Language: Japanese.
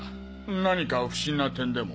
何か不審な点でも？